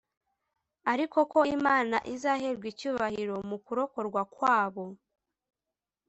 ariko ko imana izaherwa icyubahiro mu kurokorwa kwabo.